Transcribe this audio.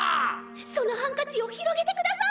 そのハンカチを広げてください！